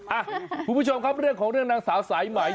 อ่ะคุณผู้ชมครับเรื่องของเรื่องนางสาวสายไหม